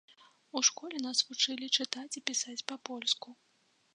У школе нас вучылі чытаць і пісаць па-польску.